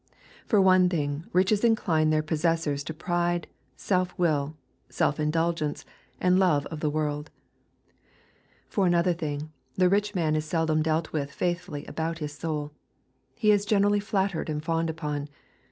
For one thing, riches incline their possessors to pride, self will, self indulgence, and love of the world. jFor another thing, the rich man is seldom dealt with 'faithfully about his soul. He is generally flattered and fawned upon.